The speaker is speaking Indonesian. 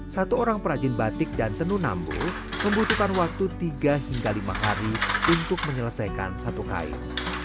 satu orang perajin batik dan tenun nambu membutuhkan waktu tiga hingga lima hari untuk menyelesaikan satu kain